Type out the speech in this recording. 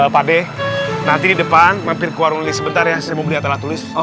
pade nanti depan mampir keluar nulis sebentar ya saya mau beli atas tulis